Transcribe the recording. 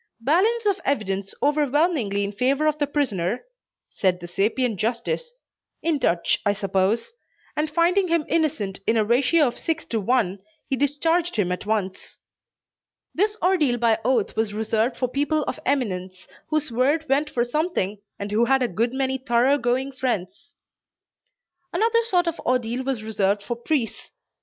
"Balance of evidence overwhelmingly in favor of the prisoner," said the sapient justice (in Dutch I suppose,) and finding him innocent in a ratio of six to one, he discharged him at once. This ordeal by oath was reserved for people of eminence, whose word went for something, and who had a good many thorough going friends. Another sort of ordeal was reserved for priests.